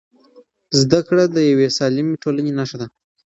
زده کړه د یوې سالمې ټولنې نښه ده.